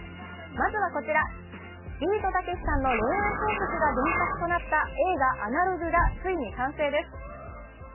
まずはこちら、ビートたけしさんの恋愛小説が原作となった映画「アナログ」がついに完成です。